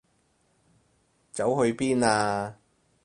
走去邊啊？